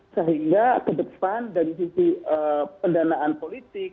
sehingga ke depan dari sisi pendanaan politik